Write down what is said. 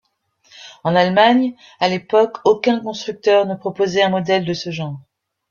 En Allemagne, à l'époque, aucun constructeur ne proposait un modèle de ce genre.